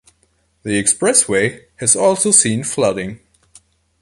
The expressway has also seen flooding.